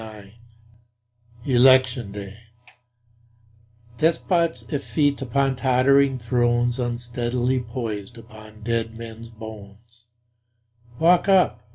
Ambrose Bierce Election Day DESPOTS effete upon tottering thrones Unsteadily poised upon dead men's bones, Walk up!